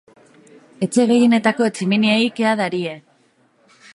Etxe gehienetako tximiniei kea darie.